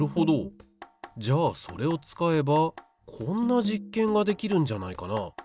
じゃあそれを使えばこんな実験ができるんじゃないかな。